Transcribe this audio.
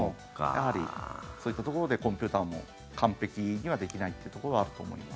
やはり、そういったところでコンピューターも完璧にはできないってところはあると思います。